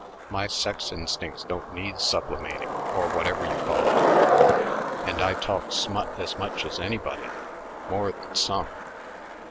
My sex instincts don't need sublimating, or whatever you call it, and I talk smut as much as anybody more than some."